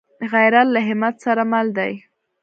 غیرت له همت سره مل دی